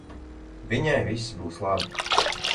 Viņai viss būs labi.